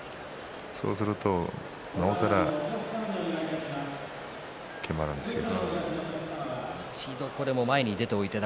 そうすると、なおさらきまるんですよ。